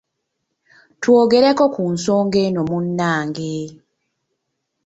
Twogereko ku nsonga eno munnange.